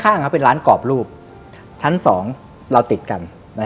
ข้างเขาเป็นร้านกรอบรูปชั้น๒เราติดกัน